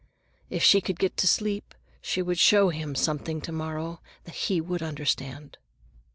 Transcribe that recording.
If she could get to sleep, she would show him something to morrow that he would understand.